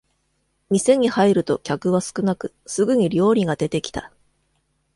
店に入ると客は少なくすぐに料理が出てきた